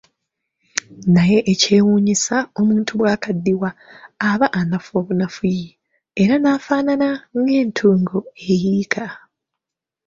Naye ekyekwewuunyisa omuntu bwakaddiwa aba anafuwa bunafuyi, era nafaafaagana ng'entungo eyiika.